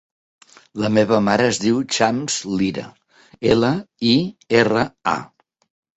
La meva mare es diu Chams Lira: ela, i, erra, a.